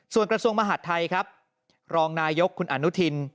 ส่วนกระทรวงมหาดไทยครับรองนายกคุณอนุทิน